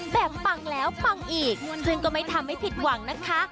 ปังแล้วปังอีกซึ่งก็ไม่ทำให้ผิดหวังนะคะ